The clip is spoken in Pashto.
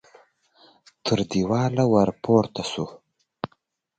تر دېواله ور پورته شو.